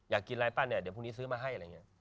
อยากกินอะไรป่ะเนี่ยเดี๋ยวพรุ่งนี้ซื้อมาให้